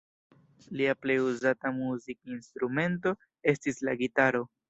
Lia plej uzata muzikinstrumento estis la gitaro.